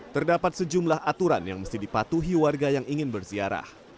terdapat sejumlah aturan yang mesti dipatuhi warga yang ingin berziarah